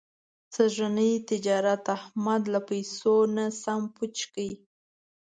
سږني تجارت احمد له پیسو نه سم پوچ کړ.